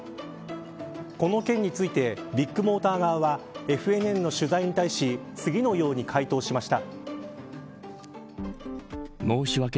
この件についてビッグモーター側はＦＮＮの取材に対し次のように回答しました。